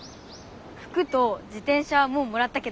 服と自転車はもうもらったけどね。